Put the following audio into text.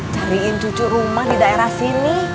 cariin cucu rumah di daerah sini